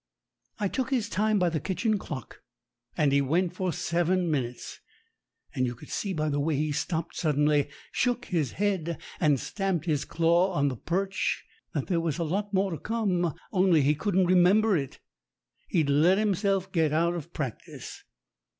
I took his time by the kitchen clock, and he went for seven minutes, and you could see by the way he stopped suddenly, shook his head, and stamped his claw on the perch, that there was a lot more to come only he couldn't remember it. He'd let himself get out of practice.